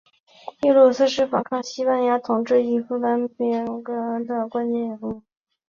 路易斯是反抗西班牙统治的尼德兰叛乱中关键人物。